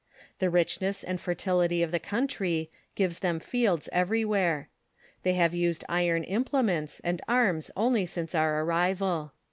The richness and fertility of the country gives them fields everywhere. They have used iron implements and arms only since our arrival.